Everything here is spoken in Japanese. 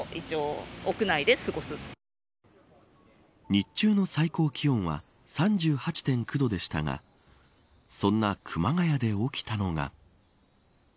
日中の最高気温は３８．９度でしたがそんな熊谷で起きたのが。